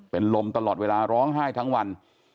เป็นลมตลอดเวลาร้องไห้ทั้งวัน